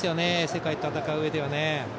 世界と戦う上ではね。